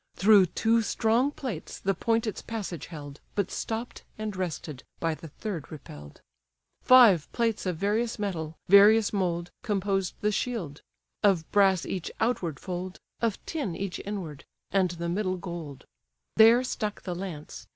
Through two strong plates the point its passage held, But stopp'd, and rested, by the third repell'd. Five plates of various metal, various mould, Composed the shield; of brass each outward fold, Of tin each inward, and the middle gold: There stuck the lance.